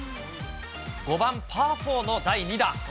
５番パー４の第２打。